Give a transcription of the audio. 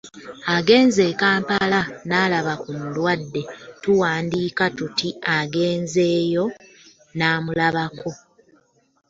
Agenze e Kampala n’alaba ku mulwadde tuwandiika tuti; Agenzeeyo n’amulabako.